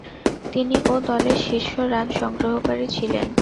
তিনি ও দলের শীর্ষ রান সংগ্রহকারী ছিলেন।